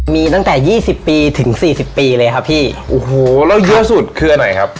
มีตั้งแต่๒๐ปีถึง๔๐ปีเลยครับพี่โอ้โหแล้วเยอะสุดคืออันไหนครับ